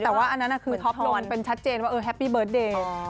แต่ว่าอันนั้นคือท็อปลงเป็นชัดเจนว่าแฮปปี้เบิร์ตเดย์